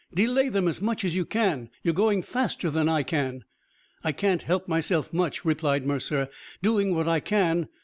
"Delay them as much as you can. You're going faster than I can." "I can't help myself much," replied Mercer. "Doing what I can.